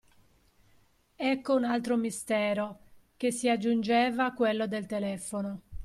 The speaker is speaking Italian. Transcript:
Ecco un altro mistero, che si aggiungeva a quello del telefono.